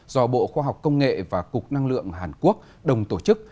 do bộ khoa học công nghệ và cục năng lượng hàn quốc đồng tổ chức